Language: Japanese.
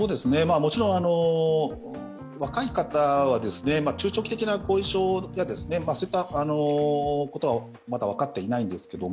もちろん若い方は、中長期的な後遺症やそういったことはまだ分かっていないんですけれども